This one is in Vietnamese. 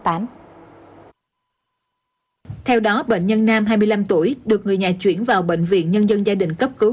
theo đó bệnh nhân nam hai mươi năm tuổi được người nhà chuyển vào bệnh viện nhân dân gia đình cấp cứu